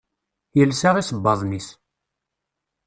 Yelsa isebbaḍen-is.